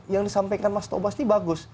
yang disampaikan mas tobas ini bagus